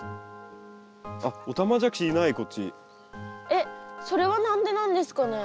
えっそれは何でなんですかね？